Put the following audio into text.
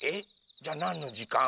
じゃあなんのじかん？